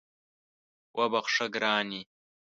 وبخښه ګرانې